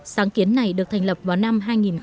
sáng kiến này được thành lập vào năm hai nghìn một mươi